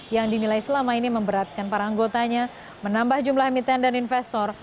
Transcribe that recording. yang dinilai selama ini memberatkan para anggotanya menambah jumlah emiten dan investor